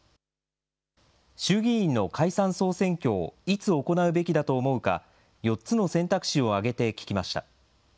衆議院の解散・総選挙をいつ行うべきだと思うか、４つの選択肢を挙げて聞きました。